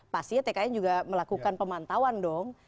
pastinya tkn juga melakukan pemantauan dong